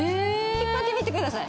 引っ張ってみてください。